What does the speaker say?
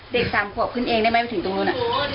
๓ขวบขึ้นเองได้ไหมไปถึงตรงนู้น